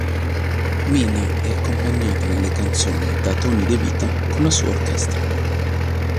Mina è accompagnata nelle canzoni da Tony De Vita con la sua orchestra.